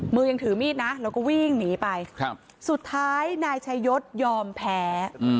มือยังถือมีดนะแล้วก็วิ่งหนีไปสุดท้ายนายชายศยอมแพ้